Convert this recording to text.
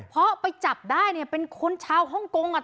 เพราะไปจับได้เนี่ยเป็นคนชาวฮ่องกงอ่ะ